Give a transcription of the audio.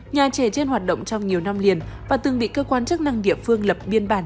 nhà trẻ trên hoạt động trong nhiều năm liền và từng bị cơ quan chức năng địa phương lập biên bản